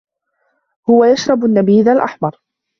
هو يشرب النّبيذ الأحمر.